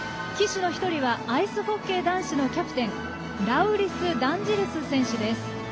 旗手の１人はアイスホッケー男子のキャプテンラウリス・ダルジンス選手です。